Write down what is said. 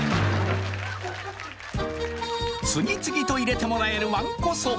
［次々と入れてもらえるわんこそば］